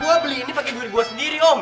gue beli ini pakai duit gua sendiri om